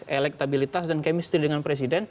elektabilitas dan kemistri dengan presiden